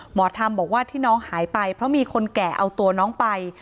หมอธรรมบอกว่าที่น้องหายไปเพราะมีคนแก่เอาตัวน้องไป